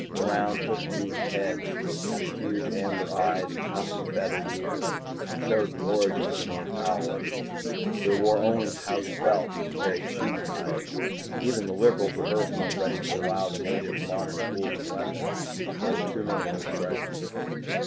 The round, hook beaked heads, with huge amber eyes and tufted feather ears, showed the origin of the name "owlie." They wore only pouched belts and carried sheath knives; even the liberals of Earth weren't ready to allow the natives modern tools and weapons. There were too many old grudges.